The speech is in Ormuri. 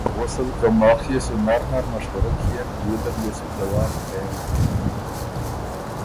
غؤسل که ماخ يې سو نر نر مشوره کيېن بيې دل يې سُو ځواب ڒېن۔“